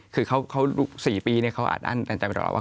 คือเขารู้๔ปีเขาอาจอั้นแต่จำเป็นรอบว่า